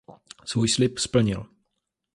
Svůj slib splnil.